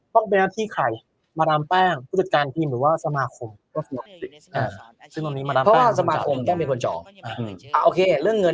น้ำที่ไขมน้ำแป้งผู้จัดการทีมหรือว่าสมาคมสมาคมแม่งคนจอง